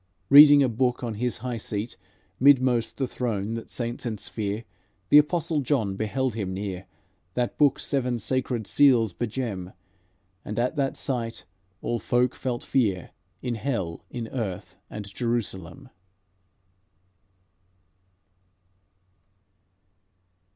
Reading a book on His high seat Midmost the throne that saints ensphere, The Apostle John beheld Him near; That book seven sacred seals begem; And at that sight all folk felt fear In hell, in earth and Jerusalem."